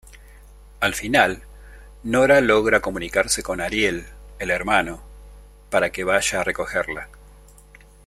Al final, Nora logra comunicarse con Ariel, el hermano, para que vaya a recogerla.